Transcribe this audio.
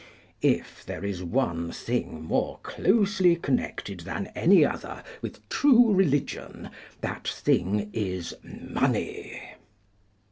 If there is one thing more closely connected than any other with true religion, that thing is money.